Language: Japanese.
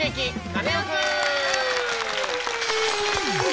カネオくん」。